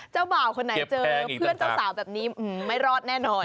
เจ้าบ่าวคนนั้นหลอกเจอเพื่อนเจ้าสาวแบบนี้คิดว่าไม่รอดแน่นอน